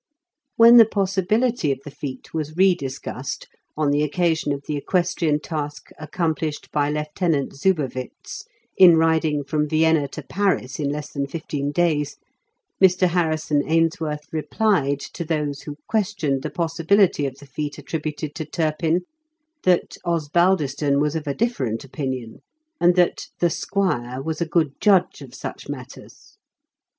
When the possibility of the feat was re discussed on the occasion of the equestrian task accomplished by Lieutenant Zubovitz in riding from Vienna to Paris in less than fifteen days, Mr. Harrison Ainsworth replied to those who questioned the possibility of the feat attributed to Turpin, that Osbal diston was of a different opinion, and that "the Squire" was a good judge of such matters.